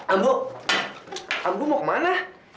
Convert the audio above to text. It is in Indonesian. ambu ambu mau kemana